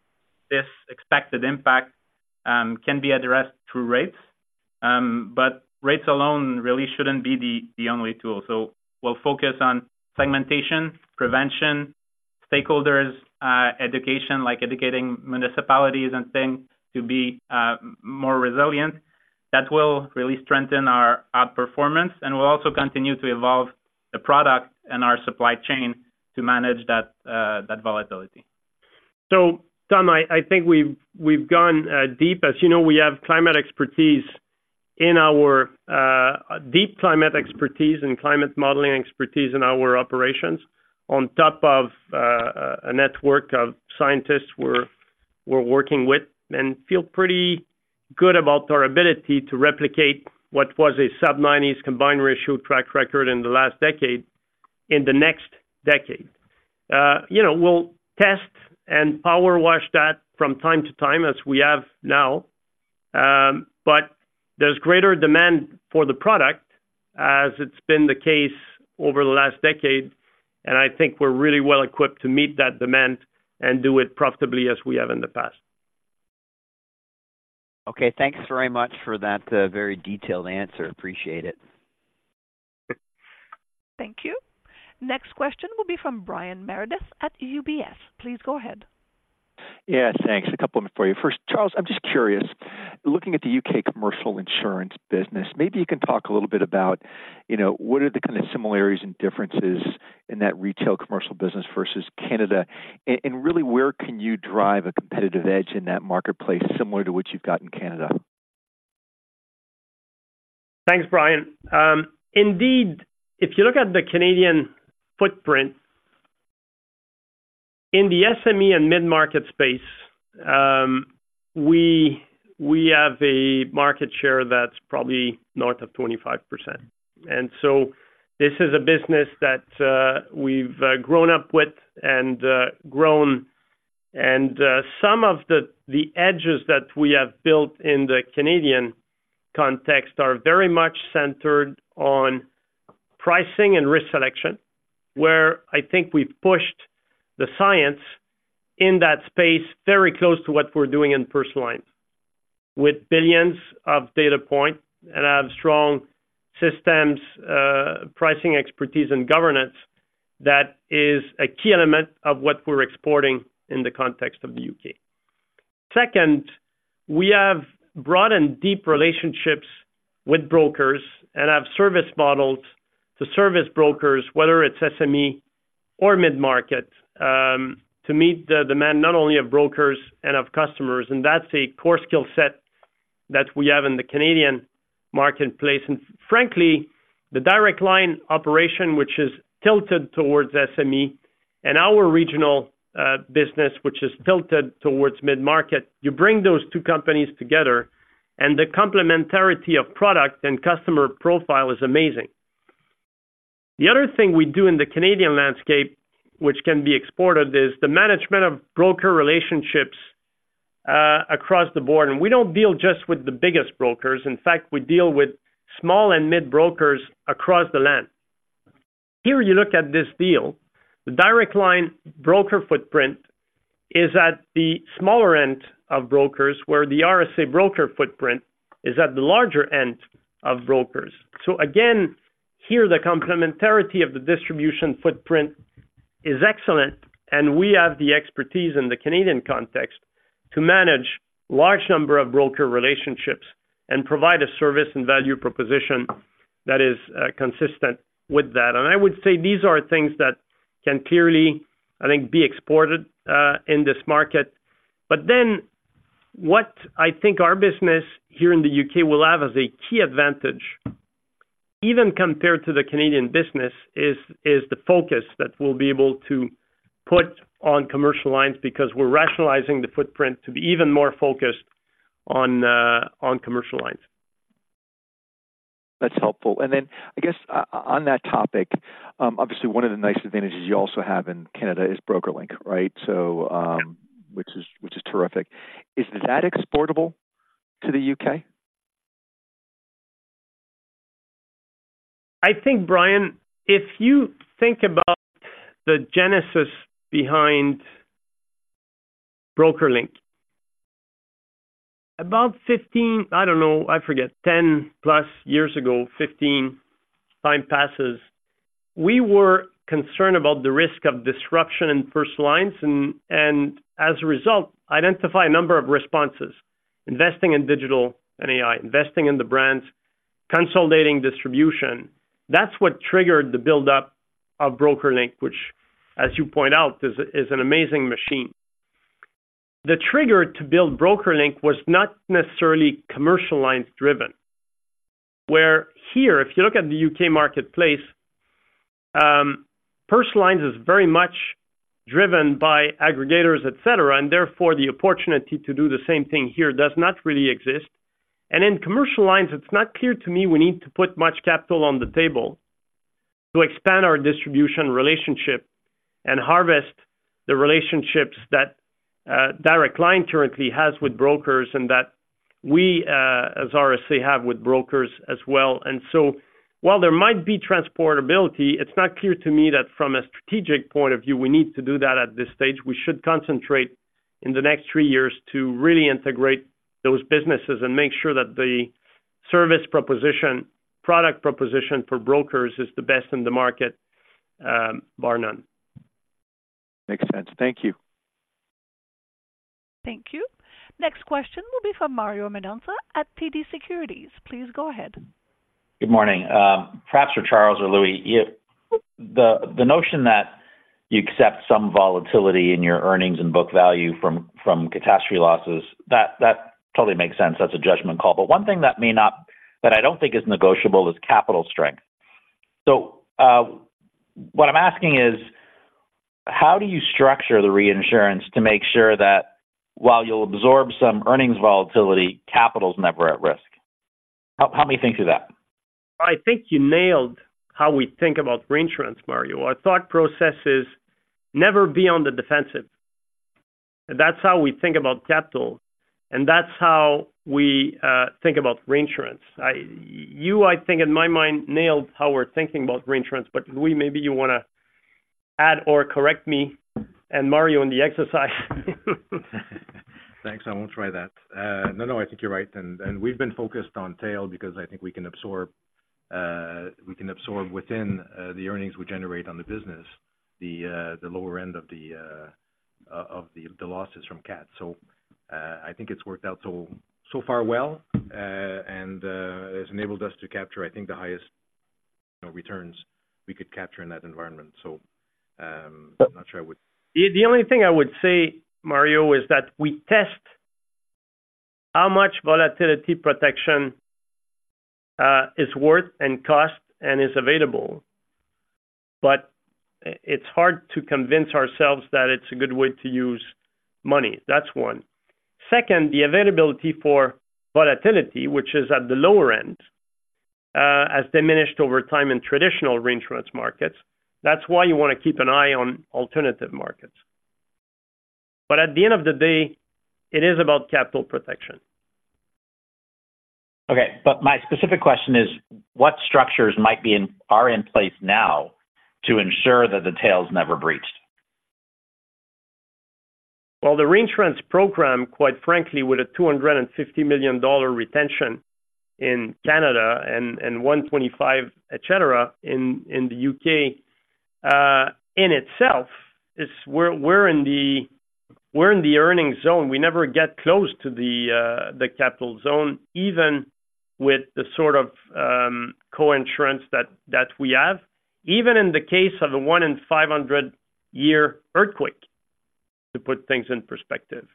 Speaker 6: this expected impact can be addressed through rates. But rates alone really shouldn't be the only tool. So we'll focus on segmentation, prevention, stakeholders, education, like educating municipalities and things to be more resilient. That will really strengthen our outperformance, and we'll also continue to evolve the product and our supply chain to manage that, that volatility.
Speaker 3: So, Tom, I think we've gone deep. As you know, we have climate expertise in our deep climate expertise and climate modeling expertise in our operations, on top of a network of scientists we're working with, and feel pretty good about our ability to replicate what was a sub-90 combined ratio track record in the last decade, in the next decade. You know, we'll test and power wash that from time to time, as we have now. But there's greater demand for the product, as it's been the case over the last decade, and I think we're really well equipped to meet that demand and do it profitably as we have in the past....
Speaker 10: Okay, thanks very much for that, very detailed answer. Appreciate it.
Speaker 1: Thank you. Next question will be from Brian Meredith at UBS. Please go ahead.
Speaker 11: Yeah, thanks. A couple of them for you. First, Charles, I'm just curious, looking at the UK commercial insurance business, maybe you can talk a little bit about, you know, what are the kind of similarities and differences in that retail commercial business versus Canada, and, and really, where can you drive a competitive edge in that marketplace, similar to what you've got in Canada?
Speaker 3: Thanks, Brian. Indeed, if you look at the Canadian footprint, in the SME and mid-market space, we have a market share that's probably north of 25%. And so this is a business that we've grown up with and grown. And some of the edges that we have built in the Canadian context are very much centered on pricing and risk selection, where I think we've pushed the science in that space very close to what we're doing in personal lines. With billions of data points and have strong systems, pricing, expertise, and governance, that is a key element of what we're exporting in the context of the UK. Second, we have broad and deep relationships with brokers and have service models to service brokers, whether it's SME or mid-market, to meet the demand not only of brokers and of customers, and that's a core skill set that we have in the Canadian marketplace. And frankly, the Direct Line operation, which is tilted towards SME and our regional business, which is tilted towards mid-market, you bring those two companies together and the complementarity of product and customer profile is amazing. The other thing we do in the Canadian landscape, which can be exported, is the management of broker relationships across the board, and we don't deal just with the biggest brokers. In fact, we deal with small and mid brokers across the land. Here you look at this deal, the Direct Line broker footprint is at the smaller end of brokers, where the RSA broker footprint is at the larger end of brokers. So again, here the complementarity of the distribution footprint is excellent, and we have the expertise in the Canadian context to manage large number of broker relationships and provide a service and value proposition that is, consistent with that. And I would say these are things that can clearly, I think, be exported, in this market. But then, what I think our business here in the U.K. will have as a key advantage, even compared to the Canadian business, is the focus that we'll be able to put on commercial lines because we're rationalizing the footprint to be even more focused on commercial lines.
Speaker 11: That's helpful. Then I guess, on that topic, obviously one of the nice advantages you also have in Canada is BrokerLink, right? So, which is terrific. Is that exportable to the U.K.?
Speaker 3: I think, Brian, if you think about the genesis behind BrokerLink, about 15, I don't know, I forget, 10+ years ago, 15, time passes. We were concerned about the risk of disruption in personal lines and as a result, identify a number of responses, investing in digital and AI, investing in the brands, consolidating distribution. That's what triggered the buildup of BrokerLink, which, as you point out, is an amazing machine. The trigger to build BrokerLink was not necessarily commercial lines driven, where here, if you look at the UK marketplace, personal lines is very much driven by aggregators, et cetera, and therefore, the opportunity to do the same thing here does not really exist. And in commercial lines, it's not clear to me we need to put much capital on the table to expand our distribution relationship and harvest the relationships that Direct Line currently has with brokers and that we, as RSA, have with brokers as well. And so while there might be transportability, it's not clear to me that from a strategic point of view, we need to do that at this stage. We should concentrate in the next three years to really integrate those businesses and make sure that the service proposition, product proposition for brokers is the best in the market, bar none.
Speaker 11: Makes sense. Thank you.
Speaker 1: Thank you. Next question will be from Mario Mendonca at TD Securities. Please go ahead.
Speaker 12: Good morning. Perhaps for Charles or Louis, if the notion that you accept some volatility in your earnings and book value from catastrophe losses, that totally makes sense. That's a judgment call. But one thing that I don't think is negotiable is capital strength. So, what I'm asking is: How do you structure the reinsurance to make sure that while you'll absorb some earnings volatility, capital is never at risk? How may you think through that?
Speaker 3: I think you nailed how we think about reinsurance, Mario. Our thought process is never be on the defensive. That's how we think about capital, and that's how we think about reinsurance. You, I think in my mind, nailed how we're thinking about reinsurance, but Louis, maybe you want to add or correct me and Mario in the exercise.
Speaker 4: Thanks. I won't try that. No, no, I think you're right. And we've been focused on tail because I think we can absorb within the earnings we generate on the business, the lower end of the losses from cat. So I think it's worked out so far well, and it's enabled us to capture, I think, the highest returns we could capture in that environment. So, I'm not sure I would-
Speaker 3: The only thing I would say, Mario, is that we test how much volatility protection is worth and cost and is available, but it's hard to convince ourselves that it's a good way to use money. That's one. Second, the availability for volatility, which is at the lower end, has diminished over time in traditional reinsurance markets. That's why you want to keep an eye on alternative markets. But at the end of the day, it is about capital protection.
Speaker 12: Okay, but my specific question is, what structures are in place now to ensure that the tail is never breached?
Speaker 3: Well, the reinsurance program, quite frankly, with a 250 million dollar retention in Canada and 125 million, et cetera, in the UK, in itself, is, we're in the earnings zone. We never get close to the capital zone, even with the sort of co-insurance that we have, even in the case of a 1-in-500-year earthquake, to put things in perspective.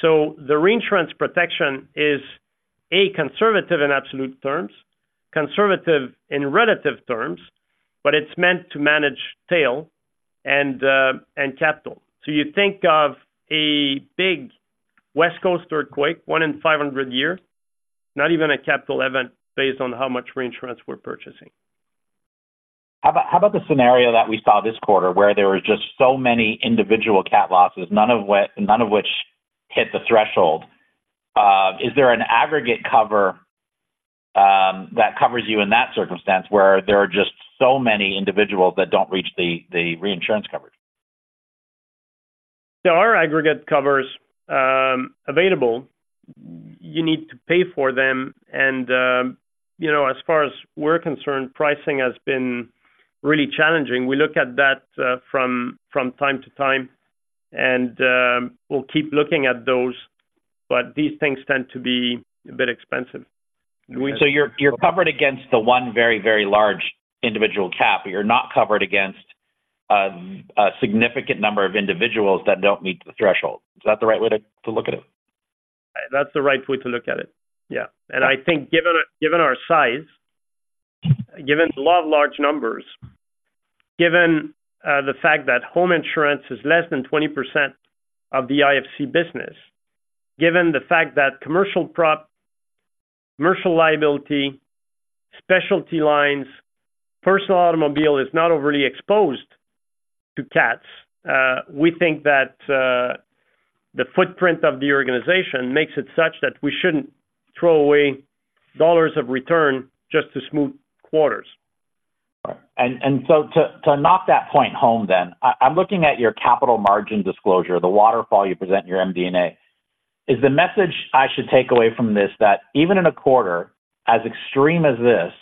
Speaker 3: So the reinsurance protection is, A, conservative in absolute terms, conservative in relative terms, but it's meant to manage tail and capital. So you think of a big West Coast earthquake, 1 in 500 years, not even a capital event based on how much reinsurance we're purchasing.
Speaker 12: How about, how about the scenario that we saw this quarter, where there were just so many individual cat losses, none of which hit the threshold? Is there an aggregate cover that covers you in that circumstance, where there are just so many individuals that don't reach the reinsurance coverage?
Speaker 3: There are aggregate covers available. You need to pay for them, and, you know, as far as we're concerned, pricing has been really challenging. We look at that from time to time, and we'll keep looking at those, but these things tend to be a bit expensive.
Speaker 12: So you're covered against the one very, very large individual cap, but you're not covered against a significant number of individuals that don't meet the threshold. Is that the right way to look at it?
Speaker 3: That's the right way to look at it. Yeah. And I think given our, given our size, given a lot of large numbers, given, the fact that home insurance is less than 20% of the IFC business, given the fact that commercial prop, commercial liability, specialty lines, personal automobile is not overly exposed to cats, we think that, the footprint of the organization makes it such that we shouldn't throw away dollars of return just to smooth quarters.
Speaker 12: So, to knock that point home then, I'm looking at your capital margin disclosure, the waterfall you present in your MD&A. Is the message I should take away from this, that even in a quarter as extreme as this,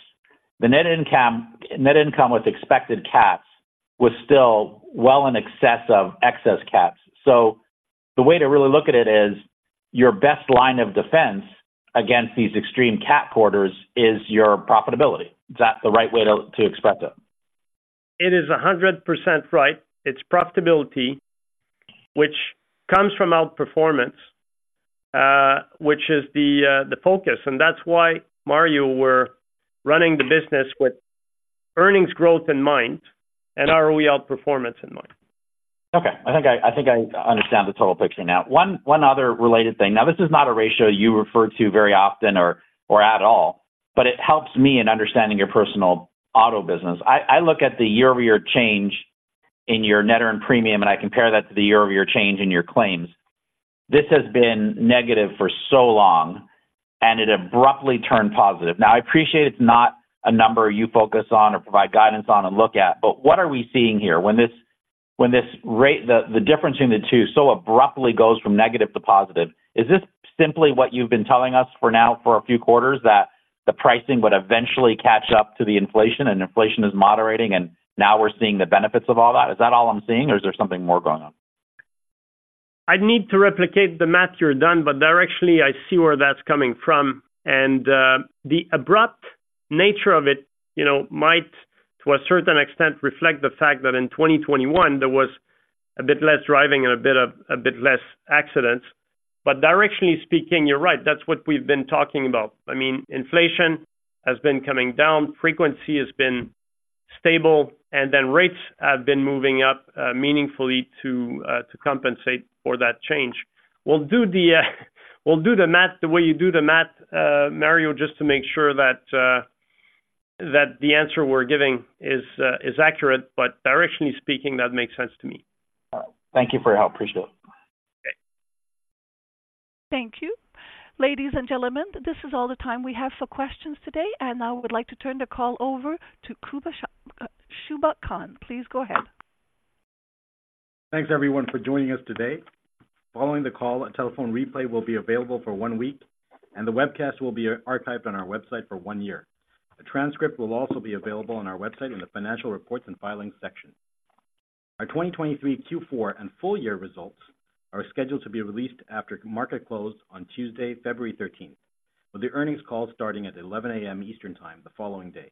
Speaker 12: the net income with expected cats was still well in excess of excess cats? So the way to really look at it is, your best line of defense against these extreme cat quarters is your profitability. Is that the right way to express it?
Speaker 3: It is 100% right. It's profitability, which comes from outperformance, which is the focus. And that's why, Mario, we're running the business with earnings growth in mind and our outperformance in mind.
Speaker 12: Okay. I think I understand the total picture now. One other related thing. Now, this is not a ratio you refer to very often or at all, but it helps me in understanding your personal auto business. I look at the year-over-year change in your net earned premium, and I compare that to the year-over-year change in your claims. This has been negative for so long, and it abruptly turned positive. Now, I appreciate it's not a number you focus on or provide guidance on and look at, but what are we seeing here? When this rate... The difference between the two so abruptly goes from negative to positive, is this simply what you've been telling us for now for a few quarters, that the pricing would eventually catch up to the inflation and inflation is moderating, and now we're seeing the benefits of all that? Is that all I'm seeing, or is there something more going on?
Speaker 3: I'd need to replicate the math you're done, but directionally, I see where that's coming from. The abrupt nature of it, you know, might, to a certain extent, reflect the fact that in 2021 there was a bit less driving and a bit less accidents. But directionally speaking, you're right, that's what we've been talking about. I mean, inflation has been coming down, frequency has been stable, and then rates have been moving up, meaningfully to compensate for that change. We'll do the math the way you do the math, Mario, just to make sure that the answer we're giving is accurate, but directionally speaking, that makes sense to me.
Speaker 12: Thank you for your help. Appreciate it.
Speaker 3: Okay.
Speaker 1: Thank you. Ladies and gentlemen, this is all the time we have for questions today, and I would like to turn the call over to Shubha Khan. Please go ahead.
Speaker 2: Thanks, everyone, for joining us today. Following the call, a telephone replay will be available for one week, and the webcast will be archived on our website for one year. A transcript will also be available on our website in the Financial Reports and Filings section. Our 2023 Q4 and full year results are scheduled to be released after market close on Tuesday, February 13th, with the earnings call starting at 11:00 A.M. Eastern Time the following day.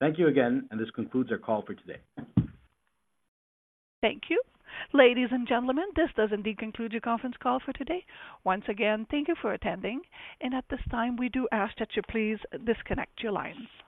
Speaker 2: Thank you again, and this concludes our call for today.
Speaker 1: Thank you. Ladies and gentlemen, this does indeed conclude your conference call for today. Once again, thank you for attending, and at this time, we do ask that you please disconnect your lines.